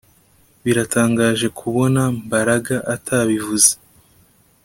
Biratangaje kubona Mbaraga atabivuze